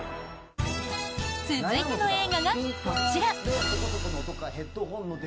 続いての映画が、こちら。